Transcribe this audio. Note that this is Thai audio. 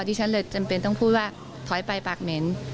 ที่ฉันเลยจำเป็นต้องพูดว่าถอยไปปากเหม็น